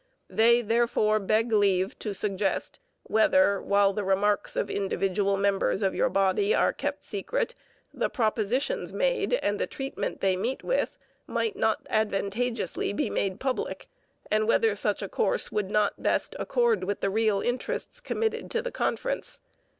They, therefore, beg leave to suggest whether, while the remarks of individual members of your body are kept secret, the propositions made and the treatment they meet with, might not advantageously be made public, and whether such a course would not best accord with the real interests committed to the conference.